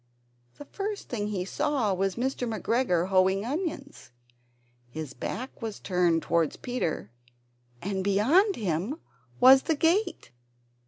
The first thing he saw was Mr. McGregor hoeing onions. His back was turned toward Peter, and beyond him was the gate!